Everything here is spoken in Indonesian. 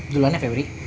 duluan ya febri